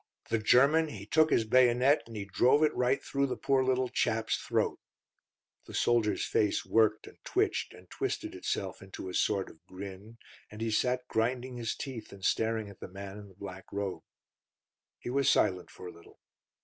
The German, he took his bayonet, and he drove it right through the poor little chap's throat." The soldier's face worked and twitched and twisted itself into a sort of grin, and he sat grinding his teeth and staring at the man in the black robe. He was silent for a little.